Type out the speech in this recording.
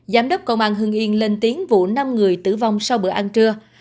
giám đốc công an hưng yên lên tiếng vụ năm người tử vong sau bữa ăn trưa